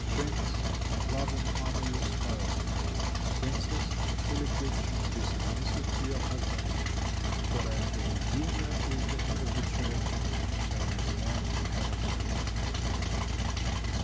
Prince, love and honor your spouse. Princess, truly Christian, be submissive to your husband; for as the Redeemer is the head of the church, so is man the head of the woman."